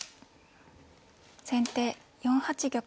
先手４八玉。